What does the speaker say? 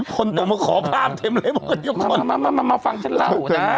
ปนตัวมาขอภาพเต็มเลยก่อนมาฟังฉันเล่า